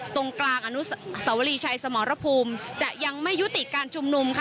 ตรงกลางอนุสวรีชัยสมรภูมิจะยังไม่ยุติการชุมนุมค่ะ